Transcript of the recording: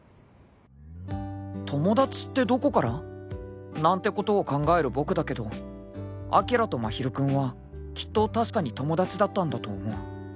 ［友達ってどこから？なんてことを考える僕だけどアキラと真昼君はきっと確かに友達だったんだと思う］